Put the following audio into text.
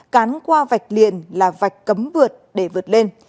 cán qua vạch liền là vạch cấm vượt để vượt lên